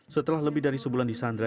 setelah lebih dari sebulan di sandra